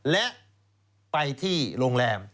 และไปที่โรงแรม